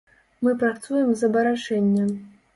Мы працуем з абарачэння.